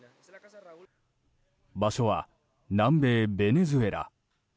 場所は南米ベネズエラ。